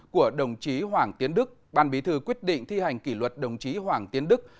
của đồng chí hoàng tiến đức ban bí thư quyết định thi hành kỷ luật đồng chí hoàng tiến đức